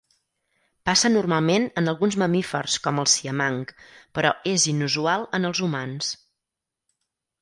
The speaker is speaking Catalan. Passa normalment en alguns mamífers com el siamang, però és inusual en els humans.